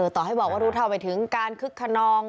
ต่อให้บอกว่ารู้เท่าไปถึงการคึกขนอง